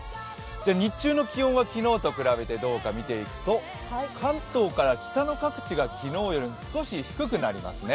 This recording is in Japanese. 日中の気温は昨日と比べてどうかというと関東から北の各地が昨日よりも少し低くなりますね。